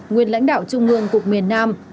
nguyên lãnh đạo trung ương cục miền nam